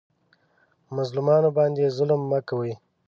مظلومانو باندې ظلم مه کوئ